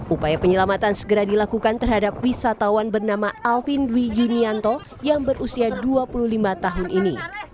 upaya penyelamatan segera dilakukan terhadap wisatawan bernama alvin dwi yunianto yang berusia dua puluh lima tahun ini